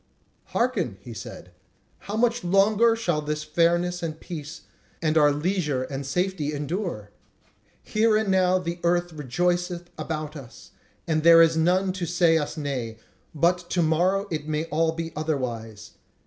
"Hearken!" he said; "how much longer shall this fairness and peace, and our leisure and safety endure? Here and now the earth rejoiceth about us, and there is none to say us nay; but to morrow it may all be otherwise.